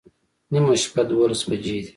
نیمه شپه دوولس بجې دي